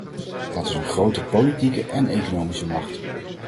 Dat is een grote politieke en economische macht.